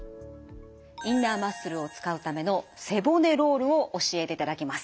インナーマッスルを使うための背骨ロールを教えていただきます。